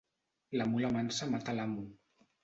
La mula mansa mata l'amo.